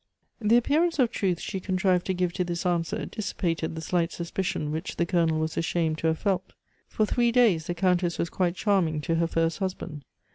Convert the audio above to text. The appearance of truth she contrived to give to this answer dissipated the slight suspicions which the Colonel was ashamed to have felt. For three days the Countess was quite charming to her first husband.